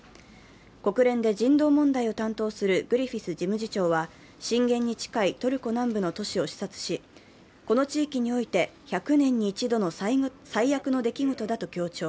国連で人道問題を担当するグリフィス事務次長は、震源に近いトルコ南部の都市を視察し、この地域において１００年に一度の最悪の出来事だと強調。